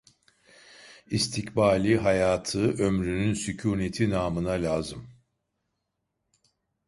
İstikbali, hayatı, ömrünün sükuneti namına lazım…